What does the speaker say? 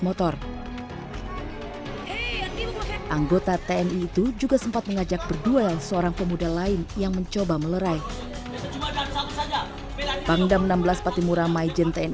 memang sudah ada mediasi tapi itu tidak memberi tingkat proses hukum